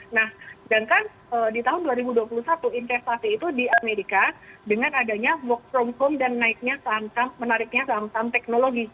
nah sedangkan di tahun dua ribu dua puluh satu investasi itu di amerika dengan adanya work from home dan naiknya menariknya saham saham teknologi